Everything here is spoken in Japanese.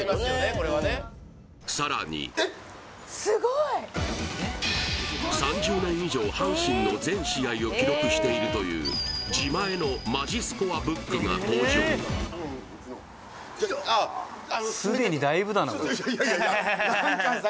これはねさらに３０年以上阪神の全試合を記録しているというが登場いやいや